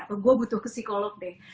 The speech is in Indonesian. atau gue butuh ke psikolog deh